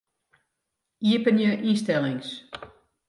Iepenje ynstellings.